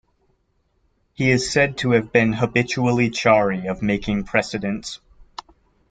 He is said to have been habitually chary of making precedents.